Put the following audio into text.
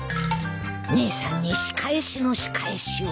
姉さんに仕返しの仕返しを